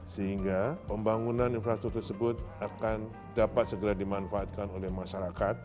sehingga pembangunan infrastruktur tersebut akan dapat segera dimanfaatkan oleh masyarakat